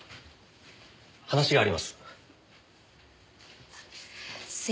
話があります。